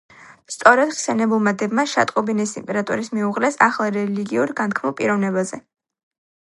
სწორედ ხსენებულმა დებმა შეატყობინეს იმპერატორის მეუღლეს ახალ რელიგიურ განთქმულ პიროვნებაზე.